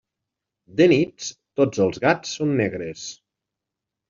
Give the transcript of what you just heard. De nits, tots els gats són negres.